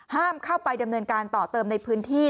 ห้ามเข้าไปดำเนินการต่อเติมในพื้นที่